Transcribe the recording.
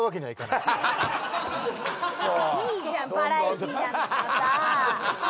いいじゃんバラエティーなんだからさ。